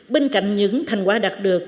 bên cạnh những thành quả đạt được